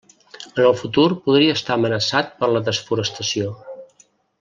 En el futur podria estar amenaçat per la desforestació.